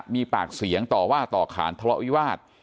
มีปากเสียงต่อว่าต่อขานทะเลาะวิวาส